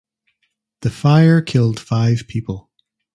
The fire killed five people.